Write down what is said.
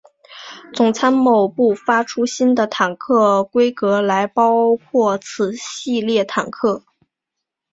总参谋部发出新的坦克规格来包括此系列坦克。